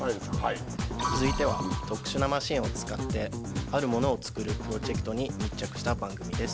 続いては、特殊なマシンを使って、あるものをつくるプロジェクトに密着した番組です。